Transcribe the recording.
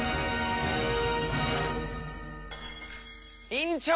院長！